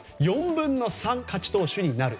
４分の３勝ち投手になる。